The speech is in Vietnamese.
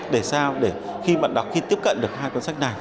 để sao để khi bạn đọc khi tiếp cận được hai cuốn sách này